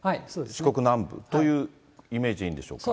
四国南部というイメージでいいんでしょうか。